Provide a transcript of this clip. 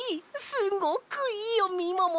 すごくいいよみもも！